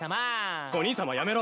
お兄さまやめろ！